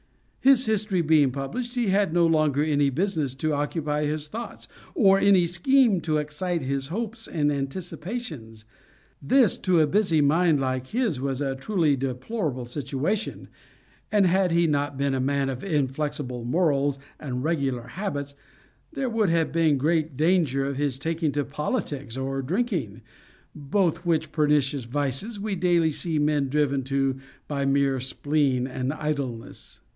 His history being published, he had no longer any business to occupy his thoughts, or any scheme to excite his hopes and anticipations. This, to a busy mind like his, was a truly deplorable situation; and had he not been a man of inflexible morals and regular habits, there would have been great danger of his taking to politics or drinking both which pernicious vices we daily see men driven to by mere spleen and idleness.